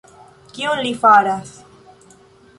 Kion li faras...?